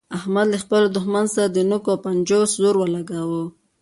احمد له خپل دوښمن سره د نوکو او پنجو زور ولګاوو.